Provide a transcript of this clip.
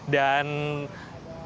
dan tentu saja